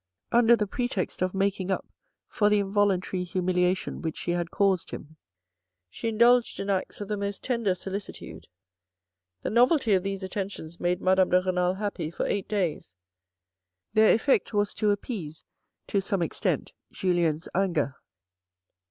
Under the pretext of making up for the involuntary humiliation which she had caused him, she indulged in acts of the most tender solicitude. The novelty of these attentions made Madame de Renal happy for eight days. Their effect was to appease to some extent Julien's anger.